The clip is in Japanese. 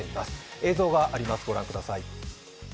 映像があります、ご覧ください。